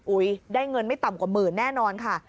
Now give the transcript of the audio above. ได้เงินไม่ต่ำกว่าหมื่นแน่นอนค่ะ